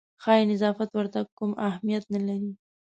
ښایي نظافت ورته کوم اهمیت نه لري.